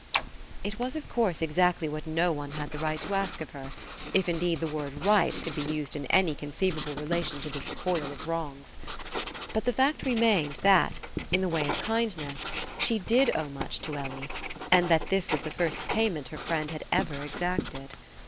It was, of course, exactly what no one had the right to ask of her: if indeed the word "right", could be used in any conceivable relation to this coil of wrongs. But the fact remained that, in the way of kindness, she did owe much to Ellie; and that this was the first payment her friend had ever exacted.